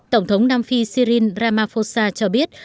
tổng thống nam phi sirin ramaphosa cho biết